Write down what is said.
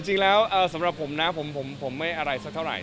จริงแล้วสำหรับผมนะผมไม่อะไรสักเท่าไห